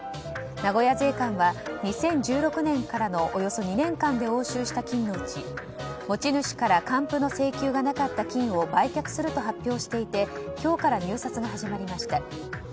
名古屋税関は２０１６年からのおよそ２年間で押収した金のうち持ち主から還付の請求がなかった金を売却すると発表していて今日から入札が始まりました。